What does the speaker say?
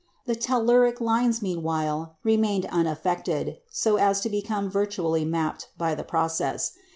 The telluric lines, meanwhile, remained unaffected, so as to be "virtually mapped" by the process.